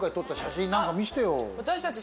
私たち。